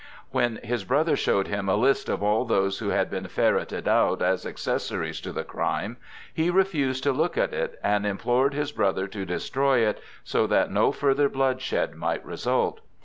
When his brother showed him a list of all those who had been ferreted out as accessories to the crime, he refused to look at it, and implored his brother to destroy it so that no further bloodshed might result.